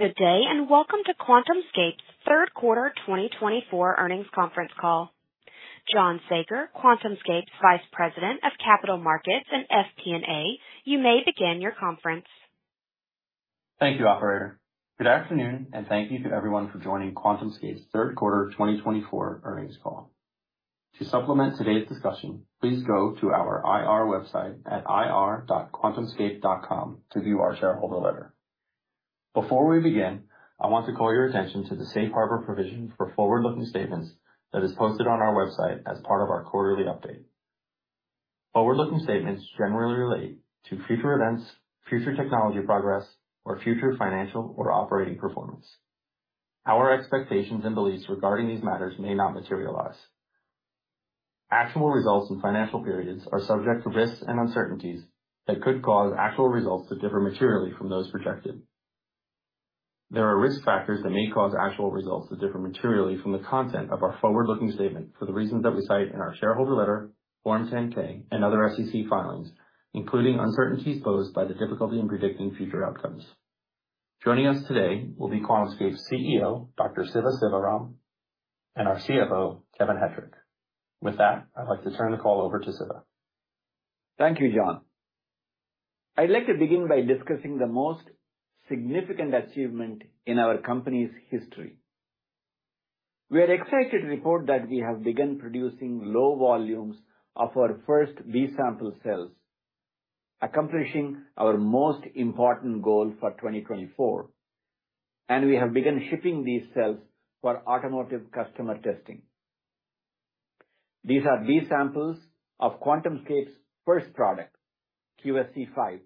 Good day, and welcome to QuantumScape's third quarter twenty twenty-four earnings conference call. John Saager, QuantumScape's Vice President of Capital Markets and FP&A, you may begin your conference. Thank you, operator. Good afternoon, and thank you to everyone for joining QuantumScape's third quarter twenty twenty-four earnings call. To supplement today's discussion, please go to our IR website at ir.quantumscape.com to view our shareholder letter. Before we begin, I want to call your attention to the safe harbor provision for forward-looking statements that is posted on our website as part of our quarterly update. Forward-looking statements generally relate to future events, future technology progress, or future financial or operating performance. Our expectations and beliefs regarding these matters may not materialize. Actual results and financial periods are subject to risks and uncertainties that could cause actual results to differ materially from those projected. There are risk factors that may cause actual results to differ materially from the content of our forward-looking statement for the reasons that we cite in our shareholder letter, Form 10-K, and other SEC filings, including uncertainties posed by the difficulty in predicting future outcomes. Joining us today will be QuantumScape's CEO, Dr. Siva Sivaram, and our CFO, Kevin Hettrich. With that, I'd like to turn the call over to Siva. Thank you, John. I'd like to begin by discussing the most significant achievement in our company's history. We are excited to report that we have begun producing low volumes of our first B-sample cells, accomplishing our most important goal for twenty twenty-four, and we have begun shipping these cells for automotive customer testing. These are B samples of QuantumScape's first product, QSE-5,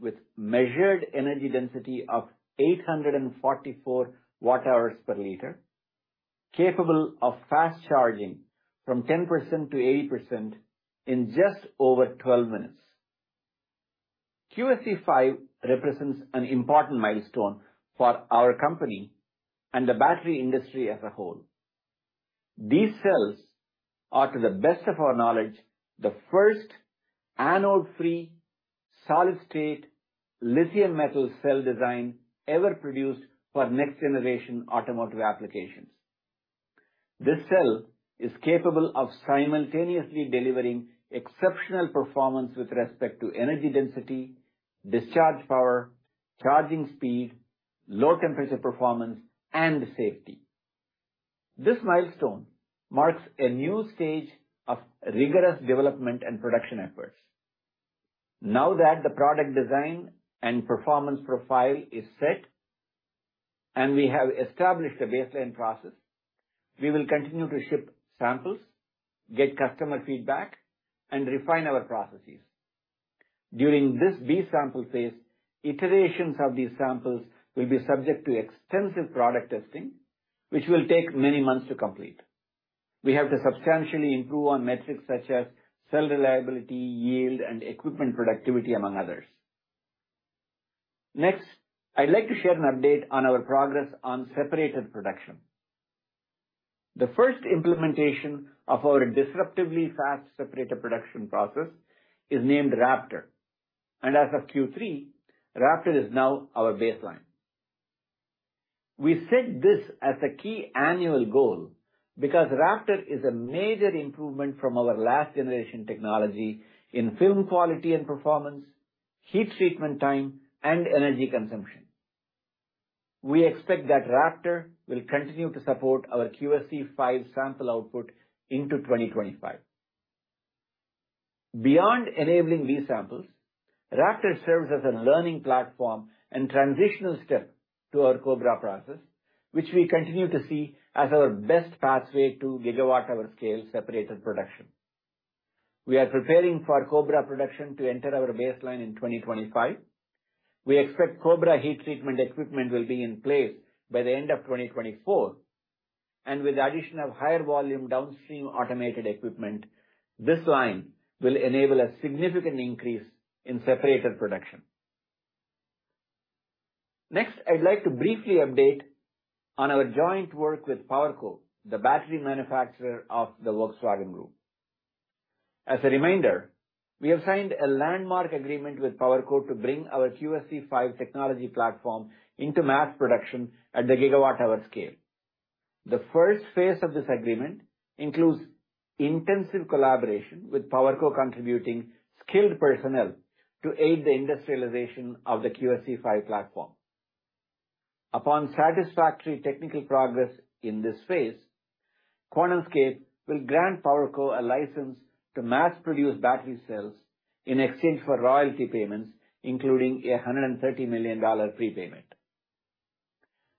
with measured energy density of 844 Wh/L, capable of fast charging from 10% to 80% in just over 12 minutes. QSE-5 represents an important milestone for our company and the battery industry as a whole. These cells are, to the best of our knowledge, the first anode-free, solid-state lithium metal cell design ever produced for next-generation automotive applications. This cell is capable of simultaneously delivering exceptional performance with respect to energy density, discharge power, charging speed, low temperature performance, and safety. This milestone marks a new stage of rigorous development and production efforts. Now that the product design and performance profile is set and we have established a baseline process, we will continue to ship samples, get customer feedback, and refine our processes. During this B sample phase, iterations of these samples will be subject to extensive product testing, which will take many months to complete. We have to substantially improve on metrics such as cell reliability, yield, and equipment productivity, among others. Next, I'd like to share an update on our progress on separator production. The first implementation of our disruptively fast separator production process is named Raptor, and as of Q3, Raptor is now our baseline. We set this as a key annual goal because Raptor is a major improvement from our last generation technology in film quality and performance, heat treatment time, and energy consumption. We expect that Raptor will continue to support our QSE-5 sample output into 2025. Beyond enabling these samples, Raptor serves as a learning platform and transitional step to our Cobra process, which we continue to see as our best pathway to gigawatt-hour scale separator production. We are preparing for Cobra production to enter our baseline in 2025. We expect Cobra heat treatment equipment will be in place by the end of twenty twenty-four, and with the addition of higher volume downstream automated equipment, this line will enable a significant increase in separator production. Next, I'd like to briefly update on our joint work with PowerCo, the battery manufacturer of the Volkswagen Group. As a reminder, we have signed a landmark agreement with PowerCo to bring our QSE-5 technology platform into mass production at the gigawatt-hour scale. The first phase of this agreement includes intensive collaboration, with PowerCo contributing skilled personnel to aid the industrialization of the QSE-5 platform. Upon satisfactory technical progress in this phase, QuantumScape will grant PowerCo a license to mass-produce battery cells in exchange for royalty payments, including a $130 million prepayment.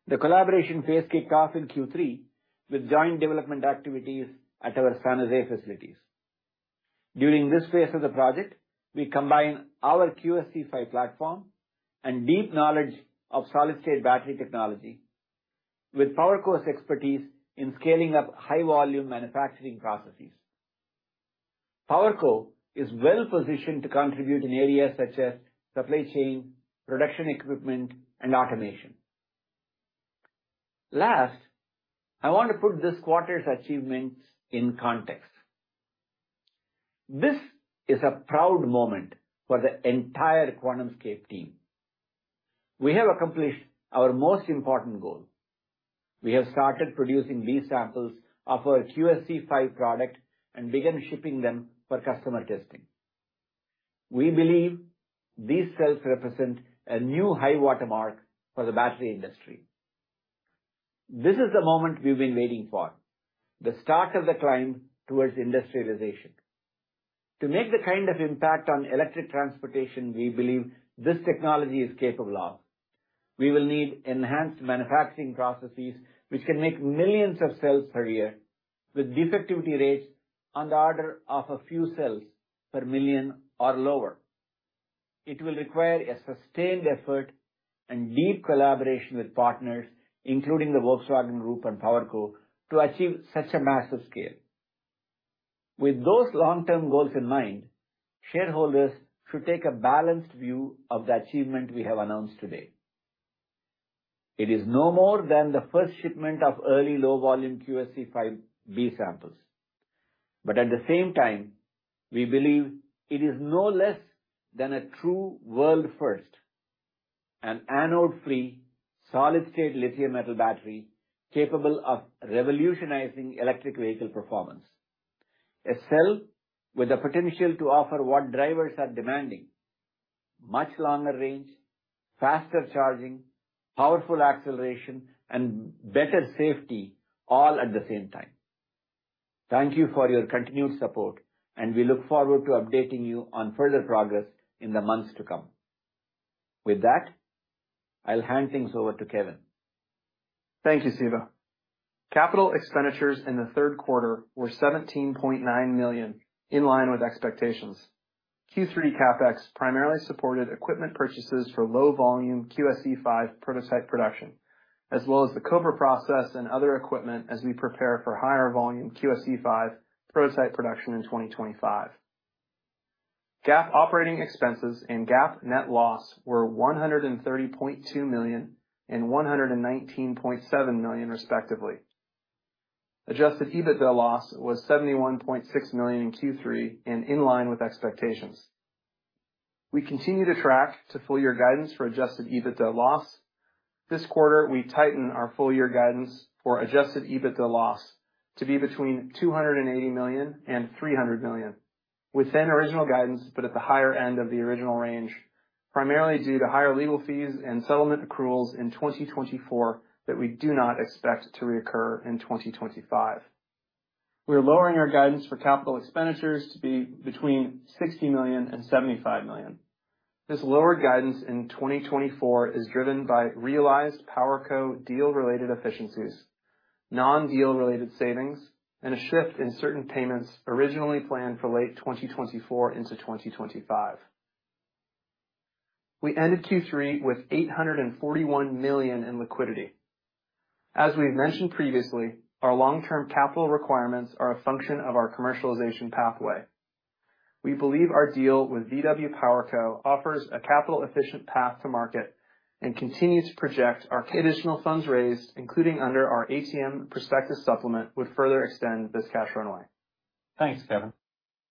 The collaboration phase kicked off in Q3 with joint development activities at our San Jose facilities. During this phase of the project, we combined our QSE-5 platform and deep knowledge of solid-state battery technology with PowerCo's expertise in scaling up high-volume manufacturing processes. PowerCo is well positioned to contribute in areas such as supply chain, production equipment, and automation. Last, I want to put this quarter's achievements in context. This is a proud moment for the entire QuantumScape team. We have accomplished our most important goal. We have started producing these samples of our QSE-5 product and began shipping them for customer testing. We believe these cells represent a new high watermark for the battery industry. This is the moment we've been waiting for, the start of the climb towards industrialization. To make the kind of impact on electric transportation we believe this technology is capable of, we will need enhanced manufacturing processes, which can make millions of cells per year, with defectivity rates on the order of a few cells per million or lower. It will require a sustained effort and deep collaboration with partners, including the Volkswagen Group and PowerCo, to achieve such a massive scale. With those long-term goals in mind, shareholders should take a balanced view of the achievement we have announced today. It is no more than the first shipment of early low-volume QSE-5 B samples, but at the same time, we believe it is no less than a true world first, an anode-free, solid-state lithium metal battery, capable of revolutionizing electric vehicle performance. A cell with the potential to offer what drivers are demanding: much longer range, faster charging, powerful acceleration, and better safety, all at the same time. Thank you for your continued support, and we look forward to updating you on further progress in the months to come. With that, I'll hand things over to Kevin. Thank you, Siva. Capital expenditures in the third quarter were $17.9 million, in line with expectations. Q3 CapEx primarily supported equipment purchases for low volume QSE-5 prototype production, as well as the Cobra process and other equipment as we prepare for higher volume QSE-5 prototype production in 2025. GAAP operating expenses and GAAP net loss were $130.2 million and $119.7 million, respectively. Adjusted EBITDA loss was $71.6 million in Q3 and in line with expectations. We continue to track to full year guidance for adjusted EBITDA loss. This quarter, we tighten our full year guidance for Adjusted EBITDA loss to be between $280 million and $300 million, within original guidance, but at the higher end of the original range, primarily due to higher legal fees and settlement accruals in 2024 that we do not expect to reoccur in 2025. We are lowering our guidance for capital expenditures to be between $60 million and $75 million. This lower guidance in 2024 is driven by realized PowerCo deal-related efficiencies, non-deal related savings, and a shift in certain payments originally planned for late 2024 into 2025. We ended Q3 with $841 million in liquidity. As we've mentioned previously, our long-term capital requirements are a function of our commercialization pathway. We believe our deal with VW PowerCo offers a capital efficient path to market and continues to project our additional funds raised, including under our ATM prospectus supplement, would further extend this cash runway. Thanks, Kevin.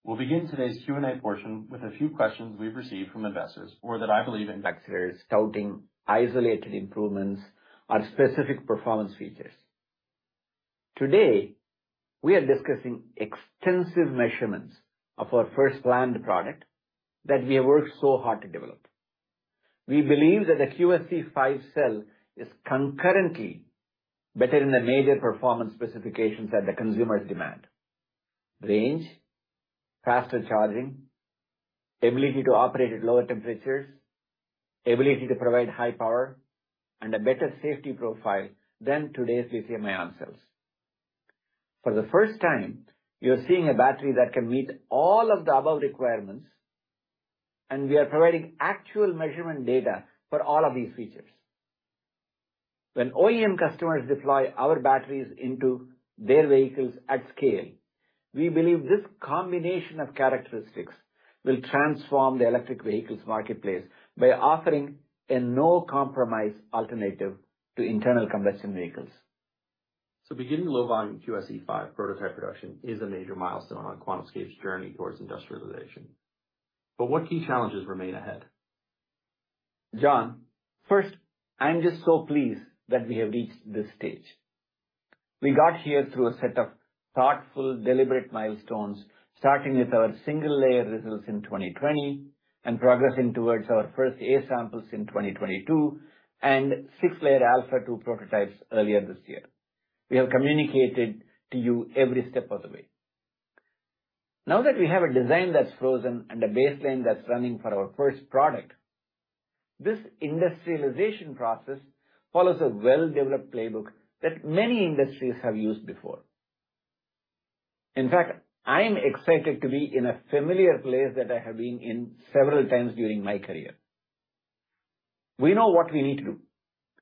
We'll begin today's Q&A portion with a few questions we've received from investors, or that I believe- Investors touting isolated improvements are specific performance features. Today, we are discussing extensive measurements of our first planned product that we have worked so hard to develop. We believe that the QSE-5 cell is concurrently better than the major performance specifications that the consumers demand. Range, faster charging, ability to operate at lower temperatures, ability to provide high power, and a better safety profile than today's lithium-ion cells. For the first time, you're seeing a battery that can meet all of the above requirements, and we are providing actual measurement data for all of these features. When OEM customers deploy our batteries into their vehicles at scale, we believe this combination of characteristics will transform the electric vehicles marketplace by offering a no-compromise alternative to internal combustion vehicles. So beginning low-volume QSE-5 prototype production is a major milestone on QuantumScape's journey toward industrialization. But what key challenges remain ahead? John, first, I'm just so pleased that we have reached this stage. We got here through a set of thoughtful, deliberate milestones, starting with our single-layer results in 2020, and progressing towards our first A-samples in 2022, and six-layer Alpha-2 prototypes earlier this year. We have communicated to you every step of the way. Now that we have a design that's frozen and a baseline that's running for our first product, this industrialization process follows a well-developed playbook that many industries have used before. In fact, I'm excited to be in a familiar place that I have been in several times during my career. We know what we need to do.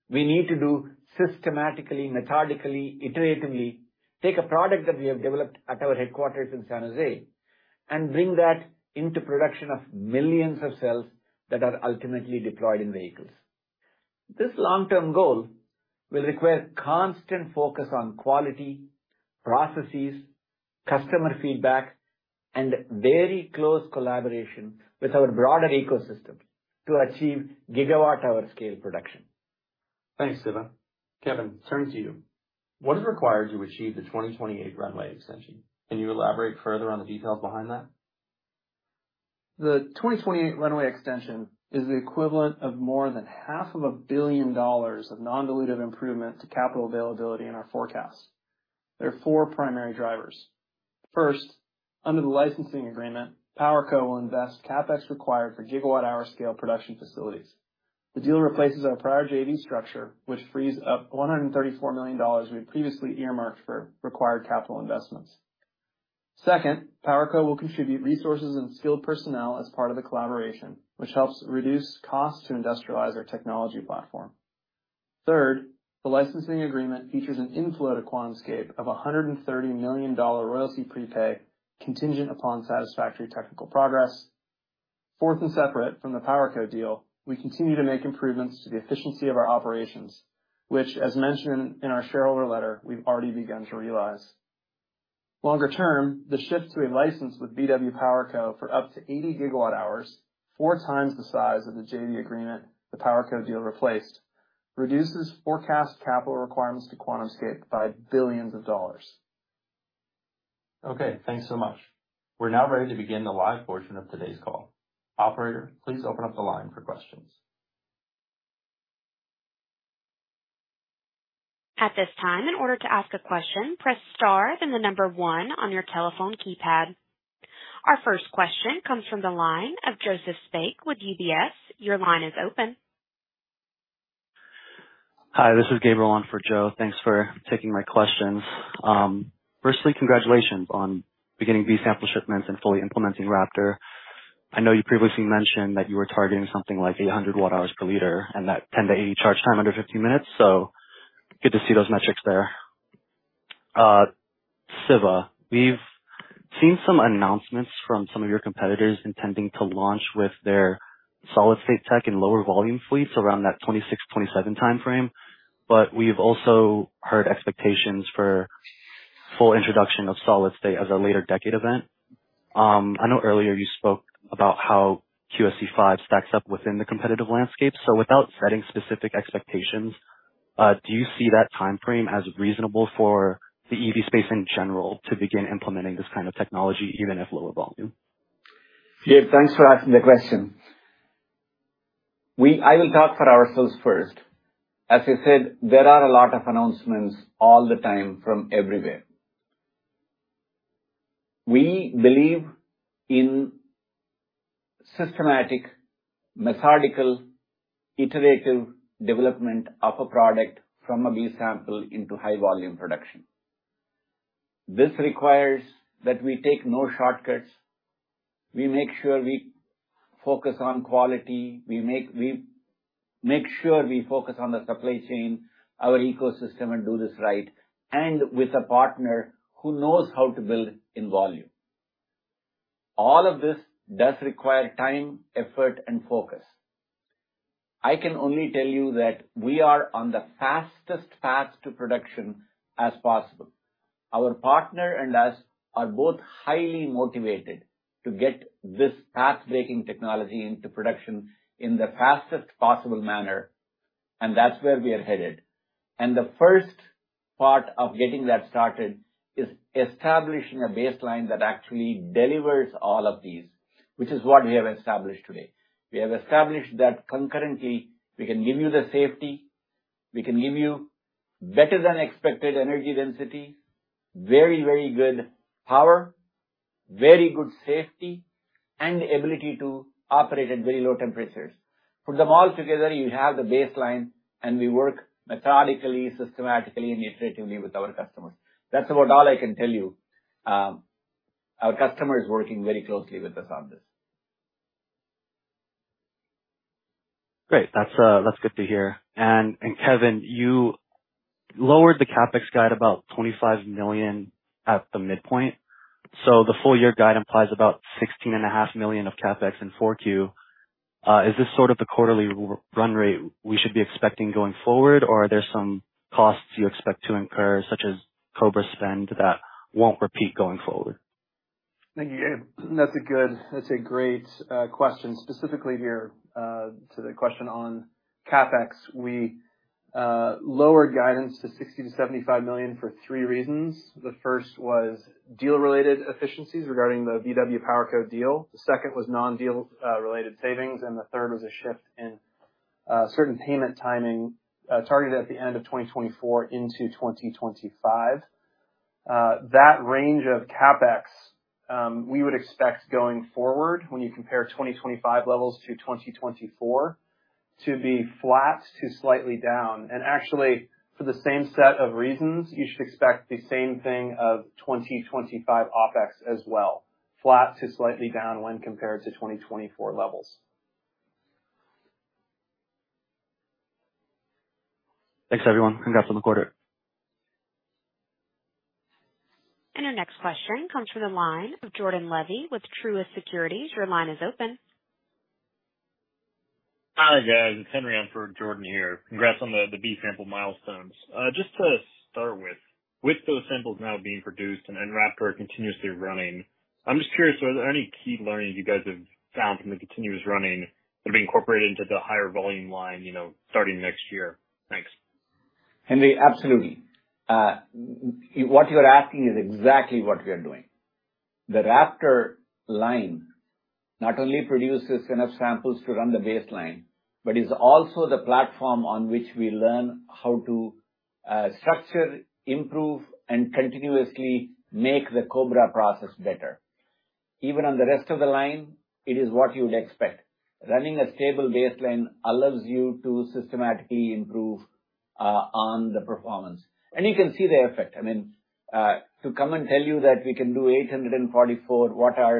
We need to do systematically, methodically, iteratively, take a product that we have developed at our headquarters in San Jose, and bring that into production of millions of cells that are ultimately deployed in vehicles. This long-term goal will require constant focus on quality, processes, customer feedback, and very close collaboration with our broader ecosystem to achieve gigawatt-hour scale production. Thanks, Siva. Kevin, turning to you, what is required to achieve the 2028 runway extension? Can you elaborate further on the details behind that? The 2028 runway extension is the equivalent of more than $500 million of non-dilutive improvement to capital availability in our forecast. There are four primary drivers. First, under the licensing agreement, PowerCo will invest CapEx required for gigawatt-hour scale production facilities. The deal replaces our prior JV structure, which frees up $134 million we had previously earmarked for required capital investments. Second, PowerCo will contribute resources and skilled personnel as part of the collaboration, which helps reduce costs to industrialize our technology platform. Third, the licensing agreement features an inflow to QuantumScape of a $130 million royalty prepay, contingent upon satisfactory technical progress. Fourth, and separate from the PowerCo deal, we continue to make improvements to the efficiency of our operations, which, as mentioned in our shareholder letter, we've already begun to realize. Longer term, the shift to a license with VW PowerCo for up to 80 GWh, four times the size of the JV agreement the PowerCo deal replaced, reduces forecast capital requirements to QuantumScape by billions of dollars. Okay, thanks so much. We're now ready to begin the live portion of today's call. Operator, please open up the line for questions. At this time, in order to ask a question, press star, then the number one on your telephone keypad. Our first question comes from the line of Joseph Spak with UBS. Your line is open. Hi, this is Gabriel on for Joe. Thanks for taking my questions. First, congratulations on beginning B-sample shipments and fully implementing Raptor. I know you previously mentioned that you were targeting something like 800 Wh/L and that 10-80% charge time under 15 minutes, so good to see those metrics there. Siva, we've seen some announcements from some of your competitors intending to launch with their solid-state tech and lower volume fleets around that 2026-2027 timeframe, but we've also heard expectations for full introduction of solid state as a later decade event. I know earlier you spoke about how QSC five stacks up within the competitive landscape. Without setting specific expectations, do you see that timeframe as reasonable for the EV space in general to begin implementing this kind of technology, even if lower volume? Gabe, thanks for asking the question. We—I will talk for ourselves first. As you said, there are a lot of announcements all the time from everywhere. We believe in systematic, methodical, iterative development of a product from an A-sample into high volume production. This requires that we take no shortcuts. We make sure we focus on quality. We make sure we focus on the supply chain, our ecosystem, and do this right, and with a partner who knows how to build in volume. All of this does require time, effort, and focus. I can only tell you that we are on the fastest path to production as possible. Our partner and us are both highly motivated to get this path-breaking technology into production in the fastest possible manner, and that's where we are headed. And the first part of getting that started is establishing a baseline that actually delivers all of these, which is what we have established today. We have established that concurrently, we can give you the safety, we can give you better than expected energy density, very, very good power, very good safety, and ability to operate at very low temperatures. Put them all together, you have the baseline, and we work methodically, systematically, and iteratively with our customers. That's about all I can tell you. Our customer is working very closely with us on this. Great. That's good to hear. And Kevin, you lowered the CapEx guide about $25 million at the midpoint, so the full year guide implies about $16.5 million of CapEx in Q4. Is this sort of the quarterly run rate we should be expecting going forward, or are there some costs you expect to incur, such as Cobra spend, that won't repeat going forward? Thank you, Gabe. That's a good, that's a great question. Specifically here, to the question on CapEx, we lowered guidance to $60 million-$75 million for three reasons. The first was deal-related efficiencies regarding the VW PowerCo deal. The second was non-deal related savings, and the third was a shift in certain payment timing targeted at the end of 2024 into 2025. That range of CapEx, we would expect going forward, when you compare 2025 levels to 2024, to be flat to slightly down. Actually, for the same set of reasons, you should expect the same thing of 2025 OpEx as well, flat to slightly down when compared to 2024 levels. Thanks, everyone. Congrats on the quarter. ... Your next question comes from the line of Jordan Levy with Truist Securities. Your line is open. Hi, guys, it's Henry in for Jordan here. Congrats on the B-sample milestones. Just to start with those samples now being produced and Raptor continuously running, I'm just curious, are there any key learnings you guys have found from the continuous running that have been incorporated into the higher volume line, you know, starting next year? Thanks. Henry, absolutely. What you're asking is exactly what we are doing. The Raptor line not only produces enough samples to run the baseline, but is also the platform on which we learn how to structure, improve, and continuously make the Cobra process better. Even on the rest of the line, it is what you would expect. Running a stable baseline allows you to systematically improve on the performance, and you can see the effect. I mean, to come and tell you that we can do 844 Wh/L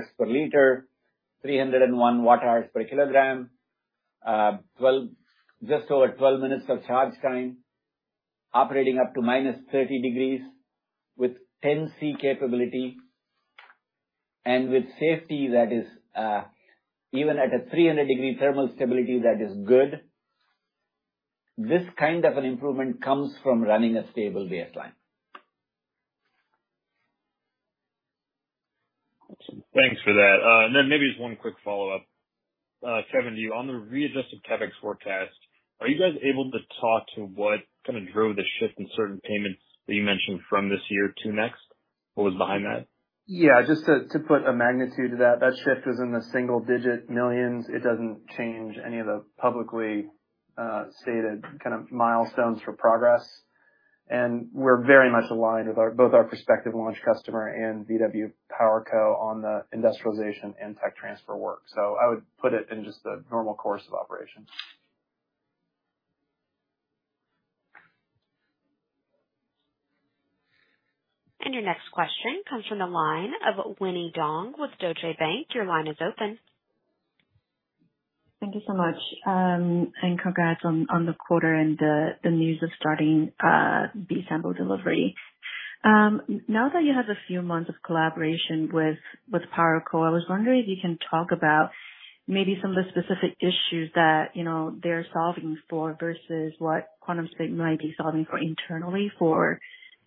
and, just over 12 minute of charge time, operating up to minus thirty degrees with NC capability and with safety that is, even at a three hundred degree thermal stability that is good, this kind of an improvement comes from running a stable baseline. Thanks for that. And then maybe just one quick follow-up. Kevin, to you. On the readjusted CapEx forecast, are you guys able to talk to what kind of drove the shift in certain payments that you mentioned from this year to next? What was behind that? Yeah, just to put a magnitude to that shift was in the single digit millions. It doesn't change any of the publicly stated kind of milestones for progress. And we're very much aligned with both our prospective launch customer and VW PowerCo on the industrialization and tech transfer work. So I would put it in just the normal course of operations. And your next question comes from the line of Winnie Dong with Deutsche Bank. Your line is open. Thank you so much, and congrats on the quarter and the news of starting B-sample delivery. Now that you have a few months of collaboration with PowerCo, I was wondering if you can talk about maybe some of the specific issues that, you know, they're solving for, versus what QuantumScape might be solving for internally for,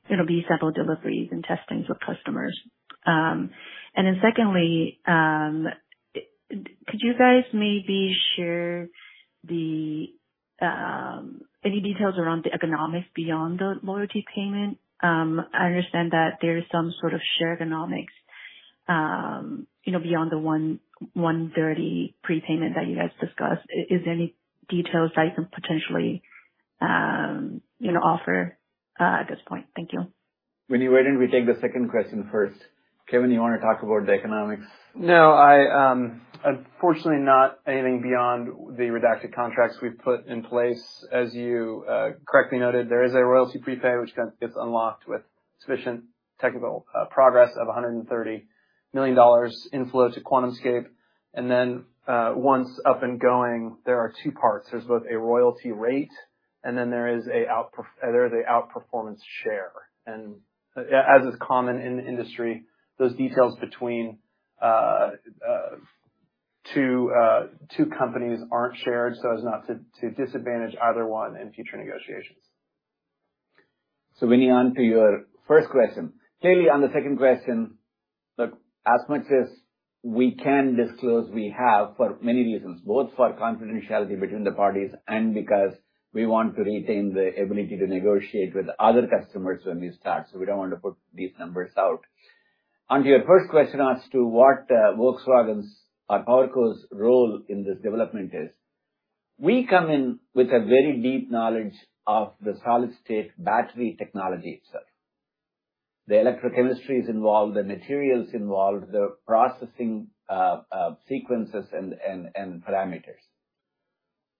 you know, B-sample deliveries and testings with customers. And then secondly, could you guys maybe share any details around the economics beyond the royalty payment? I understand that there is some sort of share economics, you know, beyond the $130 prepayment that you guys discussed. Is there any details I can potentially, you know, offer at this point? Thank you. Winnie, why don't we take the second question first? Kevin, you wanna talk about the economics? No, I, unfortunately not anything beyond the redacted contracts we've put in place. As you correctly noted, there is a royalty prepay which kind of gets unlocked with sufficient technical progress of $130 million inflow to QuantumScape. And then, once up and going, there are two parts. There's both a royalty rate and then there is a outperformance share. And as is common in the industry, those details between two companies aren't shared so as not to disadvantage either one in future negotiations. So, Winnie, on to your first question. Clearly, on the second question, look, as much as we can disclose, we have, for many reasons, both for confidentiality between the parties and because we want to retain the ability to negotiate with other customers when we start, so we don't want to put these numbers out. On your first question as to what Volkswagen's or PowerCo's role in this development is, we come in with a very deep knowledge of the solid-state battery technology itself, the electrochemistries involved, the materials involved, the processing, sequences, and parameters.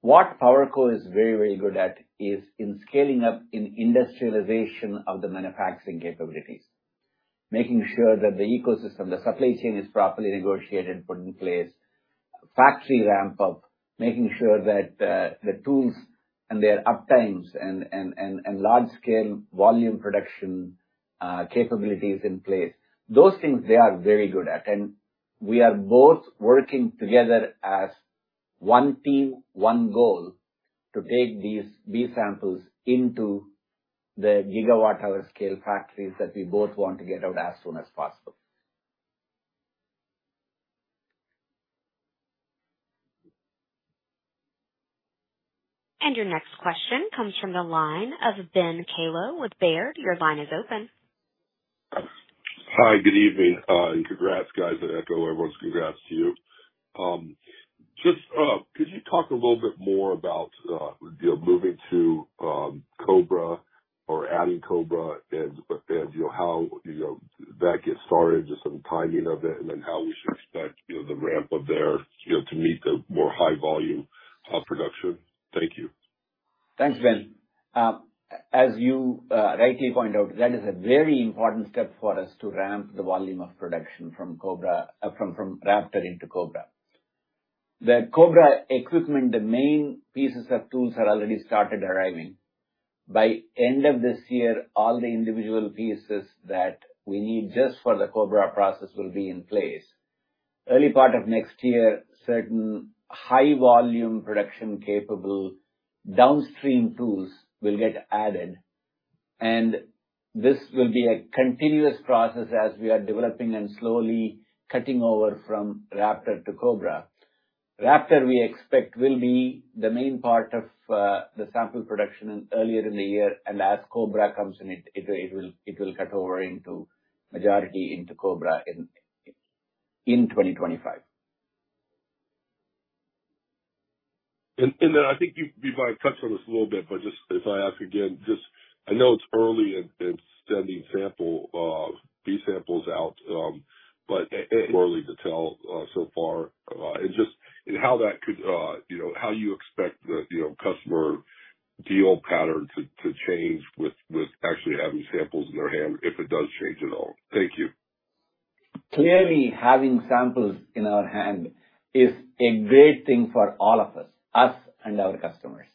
What PowerCo is very, very good at is in scaling up in industrialization of the manufacturing capabilities, making sure that the ecosystem, the supply chain, is properly negotiated, put in place, factory ramp up, making sure that the tools and their uptimes and large scale volume production capability is in place. Those things, they are very good at, and we are both working together as one team, one goal, to take these B samples into the gigawatt hour scale factories that we both want to get out as soon as possible. Your next question comes from the line of Ben Kalo with Baird. Your line is open. Hi, good evening, and congrats, guys. I echo everyone's congrats to you. Just could you talk a little bit more about, you know, moving to Cobra or adding Cobra and, you know, how, you know, that gets started, just some timing of it, and then how we should expect, you know, the ramp up there, you know, to meet the more high volume of production? Thank you. Thanks, Ben. As you rightly point out, that is a very important step for us to ramp the volume of production from Raptor into Cobra. The Cobra equipment, the main pieces of tools have already started arriving. By end of this year, all the individual pieces that we need just for the Cobra process will be in place. Early part of next year, certain high volume production capable downstream tools will get added, and this will be a continuous process as we are developing and slowly cutting over from Raptor to Cobra. Raptor, we expect, will be the main part of the sample production earlier in the year, and as Cobra comes in, it will cut over into majority into Cobra in 2025. I think you might have touched on this a little bit, but just if I ask again, just I know it's early in sending B-samples out, but too early to tell so far. And just how that could, you know, how you expect the, you know, customer deal pattern to change with actually having samples in their hand, if it does change at all? Thank you. Clearly, having samples in our hand is a great thing for all of us, us and our customers,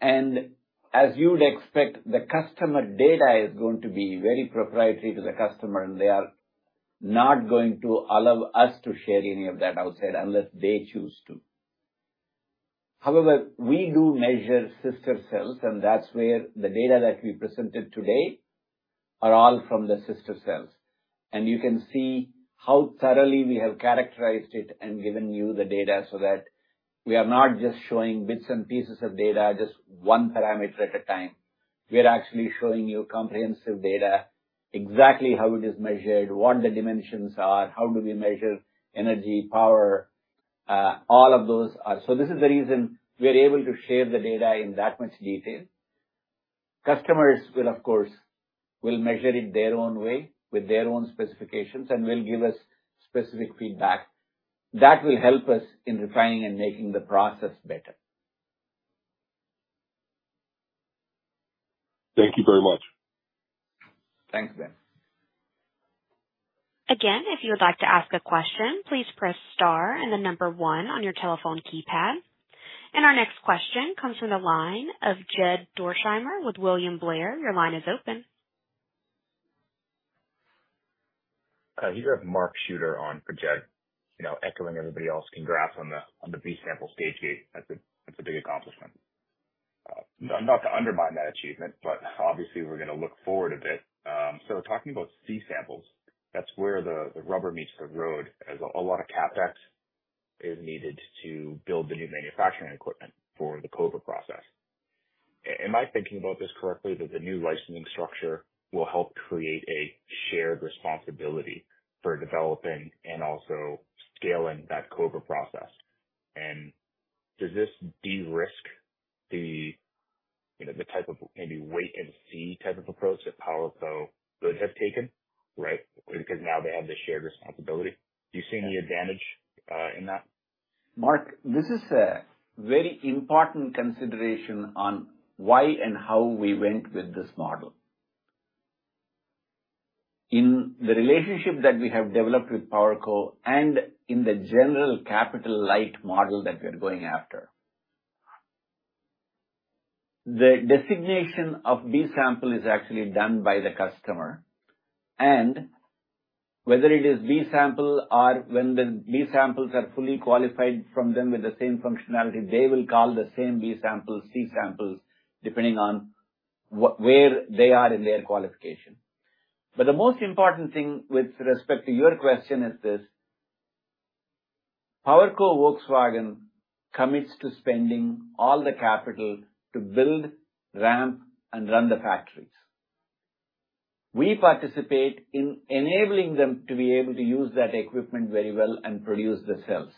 and as you'd expect, the customer data is going to be very proprietary to the customer, and they are not going to allow us to share any of that outside unless they choose to. However, we do measure sister cells, and that's where the data that we presented today are all from the sister cells, and you can see how thoroughly we have characterized it and given you the data so that we are not just showing bits and pieces of data, just one parameter at a time. We are actually showing you comprehensive data, exactly how it is measured, what the dimensions are, how do we measure energy, power, all of those, so this is the reason we are able to share the data in that much detail. Customers will, of course, measure it their own way, with their own specifications and will give us specific feedback. That will help us in refining and making the process better. Thank you very much. Thanks, Ben. Again, if you would like to ask a question, please press star and the number one on your telephone keypad. And our next question comes from the line of Jed Dorsheimer with William Blair. Your line is open. You have Mark Shooter on for Jed. You know, echoing everybody else, congrats on the B sample stage gate. That's a big accomplishment. Not to undermine that achievement, but obviously we're gonna look forward a bit. So talking about C samples, that's where the rubber meets the road, as a lot of CapEx is needed to build the new manufacturing equipment for the Cobra process. Am I thinking about this correctly, that the new licensing structure will help create a shared responsibility for developing and also scaling that Cobra process? And does this de-risk the, you know, the type of maybe wait and see type of approach that PowerCo could have taken, right? Because now they have this shared responsibility. Do you see any advantage in that? Mark, this is a very important consideration on why and how we went with this model. In the relationship that we have developed with PowerCo and in the general capital light model that we are going after. The designation of B sample is actually done by the customer, and whether it is B sample or when the B samples are fully qualified from them with the same functionality, they will call the same B samples, C samples, depending on where they are in their qualification. But the most important thing with respect to your question is this: PowerCo Volkswagen commits to spending all the capital to build, ramp, and run the factories. We participate in enabling them to be able to use that equipment very well and produce the cells.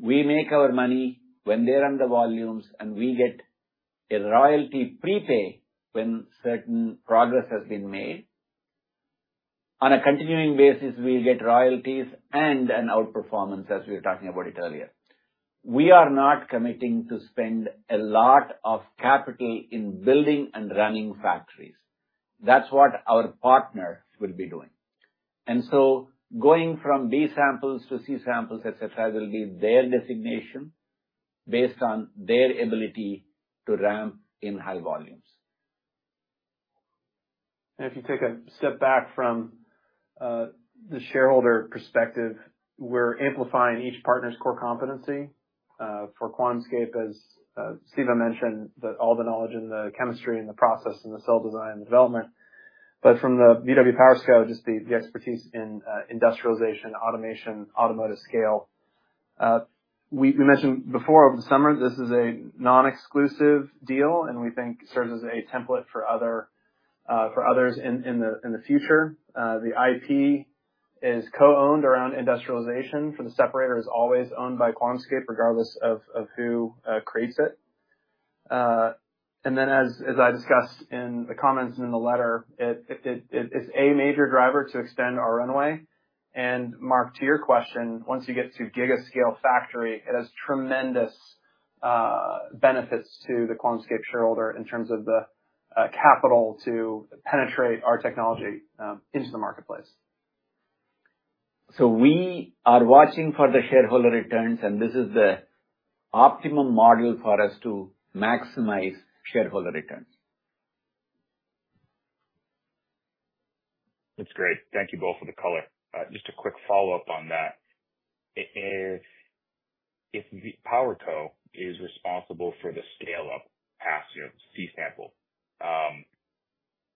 We make our money when they're on the volumes, and we get a royalty prepay when certain progress has been made. On a continuing basis, we get royalties and an outperformance, as we were talking about it earlier. We are not committing to spend a lot of capital in building and running factories. That's what our partner will be doing, and so going from B samples to C samples, et cetera, will be their designation based on their ability to ramp in high volumes. And if you take a step back from the shareholder perspective, we're amplifying each partner's core competency for QuantumScape, as Siva mentioned, that all the knowledge and the chemistry and the process and the cell design and development. But from the VW PowerCo, just the expertise in industrialization, automation, automotive scale. We mentioned before over the summer, this is a non-exclusive deal and we think serves as a template for others in the future. The IP is co-owned around industrialization, for the separator is always owned by QuantumScape, regardless of who creates it. And then as I discussed in the comments in the letter, it's a major driver to extend our runway. And Mark, to your question, once you get to giga scale factory, it has tremendous-... Benefits to the QuantumScape shareholder in terms of the capital to penetrate our technology into the marketplace. We are watching for the shareholder returns, and this is the optimum model for us to maximize shareholder returns. That's great. Thank you both for the color. Just a quick follow-up on that. If the PowerCo is responsible for the scale-up past your C-sample,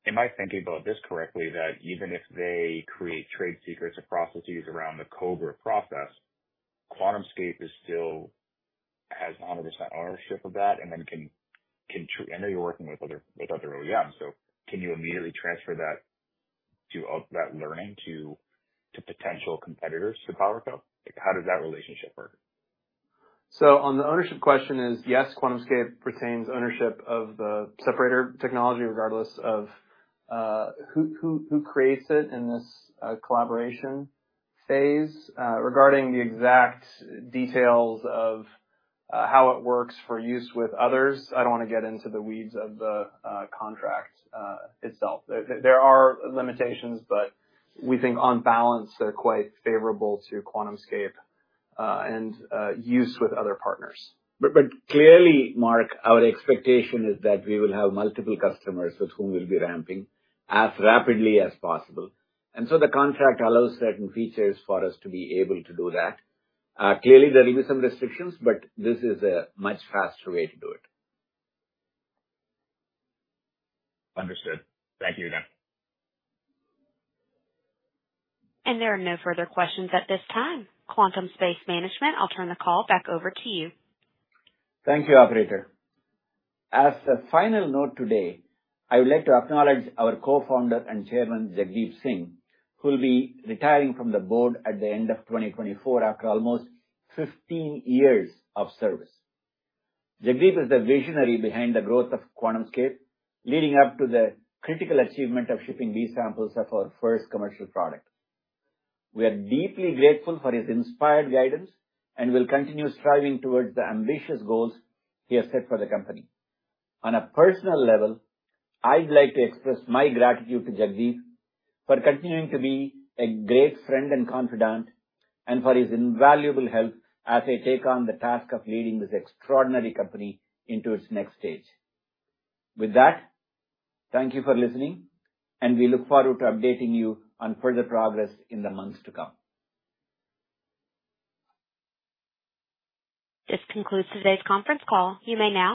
am I thinking about this correctly, that even if they create trade secrets or processes around the Cobra process, QuantumScape is still, has 100% ownership of that and then can I know you're working with other OEMs, so can you immediately transfer that to, of that learning to potential competitors to PowerCo? Like, how does that relationship work? On the ownership question is, yes, QuantumScape retains ownership of the separator technology, regardless of who creates it in this collaboration phase. Regarding the exact details of how it works for use with others, I don't want to get into the weeds of the contract itself. There are limitations, but we think on balance, they're quite favorable to QuantumScape, and use with other partners. But clearly, Mark, our expectation is that we will have multiple customers with whom we'll be ramping as rapidly as possible. And so the contract allows certain features for us to be able to do that. Clearly, there will be some restrictions, but this is a much faster way to do it. Understood. Thank you again. There are no further questions at this time. QuantumScape management, I'll turn the call back over to you. Thank you, operator. As a final note today, I would like to acknowledge our co-founder and chairman, Jagdeep Singh, who will be retiring from the board at the end of 2024 after almost 15 years of service. Jagdeep is the visionary behind the growth of QuantumScape, leading up to the critical achievement of shipping these samples of our first commercial product. We are deeply grateful for his inspired guidance and will continue striving towards the ambitious goals he has set for the company. On a personal level, I'd like to express my gratitude to Jagdeep for continuing to be a great friend and confidant and for his invaluable help as I take on the task of leading this extraordinary company into its next stage. With that, thank you for listening, and we look forward to updating you on further progress in the months to come. This concludes today's conference call. You may now disconnect.